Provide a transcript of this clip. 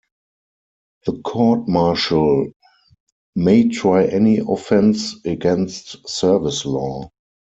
The Court Martial may try any offence against service law.